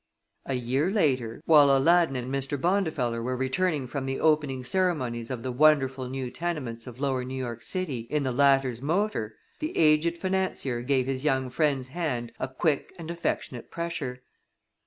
A year later, while Aladdin and Mr. Bondifeller were returning from the opening ceremonies of the wonderful new tenements of lower New York in the latter's motor, the aged financier gave his young friend's hand a quick and affectionate pressure.